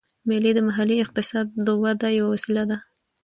مېلې د محلي اقتصاد وده یوه وسیله ده.